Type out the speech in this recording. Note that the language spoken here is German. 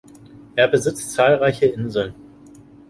Er besitzt zahlreiche Inseln.